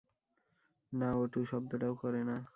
না, ও টুঁ শব্দটাও করে না!